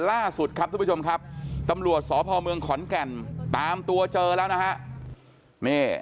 ล่าสุดครับทุกผู้ชมครับตำรวจสพเมืองขอนแก่นตามตัวเจอแล้วนะฮะ